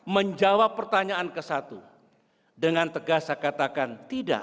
menjawab pertanyaan kesatu dengan tegas saya katakan tidak